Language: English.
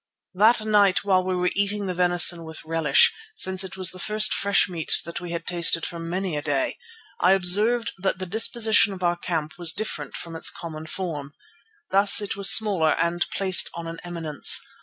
That night, while we were eating the venison with relish, since it was the first fresh meat that we had tasted for many a day, I observed that the disposition of our camp was different from its common form. Thus it was smaller and placed on an eminence.